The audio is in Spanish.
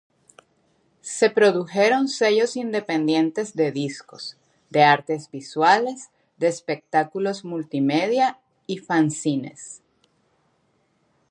Se produjeron sellos independientes de discos, de artes visuales, de espectáculos multimedia y fanzines.